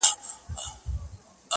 يو ګلاب رانه خپه دي